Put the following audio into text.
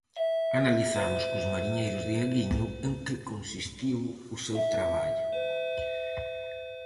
Analizamos cos mariñeiros de Aguiño en que consistiu o seu traballo.